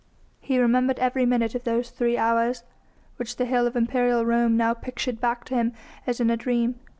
He remembered every minute of those three hours, which the hill of imperial Rome now pictured back to him as in a dream.